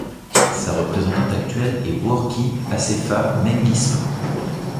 Sa représentante actuelle est Workie Assefa Mengistu.